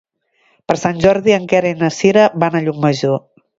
Per Sant Jordi en Quer i na Sira van a Llucmajor.